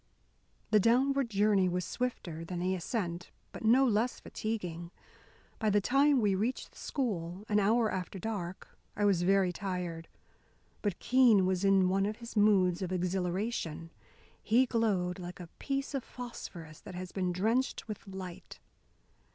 The downward journey was swifter than the ascent, but no less fatiguing. By the time we reached the school, an hour after dark, I was very tired. But Keene was in one of his moods of exhilaration. He glowed like a piece of phosphorus that has been drenched with light.